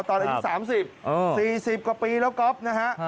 ตอนที่๓๐๔๐กว่าปีแล้วก็อบนะฮะ